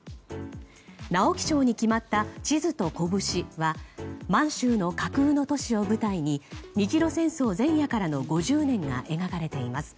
直木賞に決まった「地図と拳」は満州の架空の都市を舞台に日露戦争前夜からの５０年が描かれています。